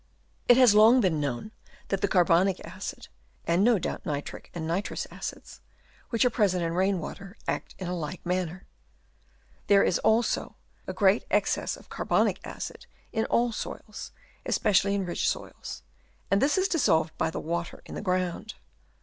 It has long been known that the carbonic acid, and no doubt nitric and nitrous acids, which are present in rain water, act in like manner. There is, also, a great excess of carbonic acid in all soils, especially in rich soils, and this is dissolved by the water in the ground.